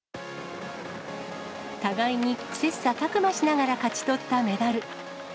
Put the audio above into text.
互いに切さたく磨しながら勝ち取ったメダル。